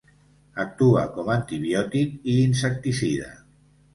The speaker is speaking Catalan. Actua com antibiòtic i insecticida.